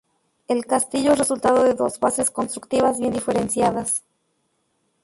El castillo es resultado de dos fases constructivas bien diferenciadas.